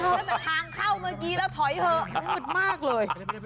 แต่ทางเข้าเมื่อกี้แล้วถอยเผลอหมุดมากเลย